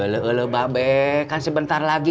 lo lo babekan sebentar lagi